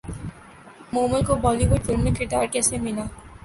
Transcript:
مومل کو Bollywood film میں کردار کیسے ملا